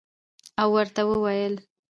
او ورته ووېل